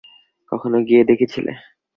কখনো গেয়ে দেখেছিলে?